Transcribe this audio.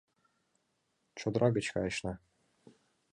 Чодыра гоч кайышна